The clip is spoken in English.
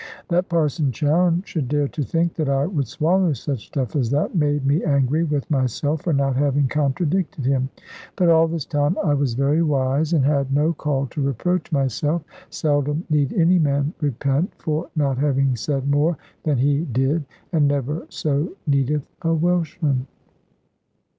That Parson Chowne should dare to think that I would swallow such stuff as that, made me angry with myself for not having contradicted him. But all this time I was very wise, and had no call to reproach myself. Seldom need any man repent for not having said more than he did; and never so needeth a Welshman.